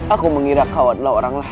aku mengira kau adalah orang lain